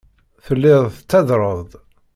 Telliḍ tettadreḍ-d.